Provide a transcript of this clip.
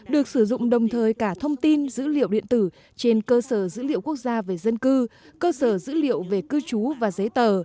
được sử dụng đồng thời cả thông tin dữ liệu điện tử trên cơ sở dữ liệu quốc gia về dân cư cơ sở dữ liệu về cư trú và giấy tờ